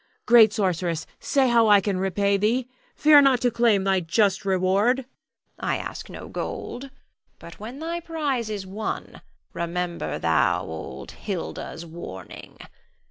Great sorceress, say how can I repay thee? Fear not to claim thy just reward. Hilda. I ask no gold. But when thy prize is won, remember thou old Hilda's warning.